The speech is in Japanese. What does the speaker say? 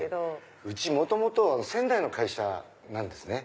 うち元々は仙台の会社なんですね。